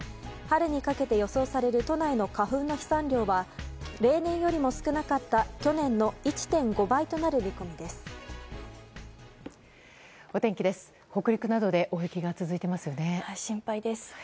春にかけて予想される都内の花粉の飛散量は例年よりも少なかった去年の１．５倍となる見込みです。